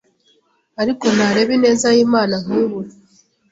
ariko nareba ineza y’Imana nkayibura.